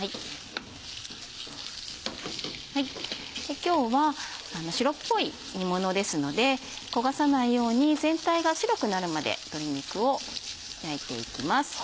今日は白っぽい煮物ですので焦がさないように全体が白くなるまで鶏肉を焼いていきます。